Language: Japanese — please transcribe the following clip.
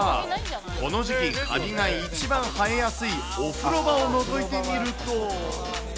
この時期、カビが一番生えやすいお風呂場をのぞいてみると。